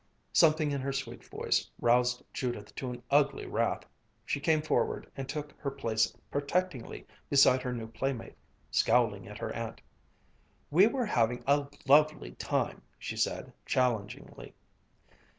Something in her sweet voice roused Judith to an ugly wrath. She came forward and took her place protectingly beside her new playmate, scowling at her aunt. "We were having a lovely time!" she said challengingly.